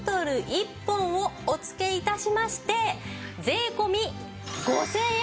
１本をお付け致しまして税込５０００円です。